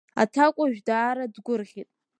Аҭакәажә даара дгәырӷьеит.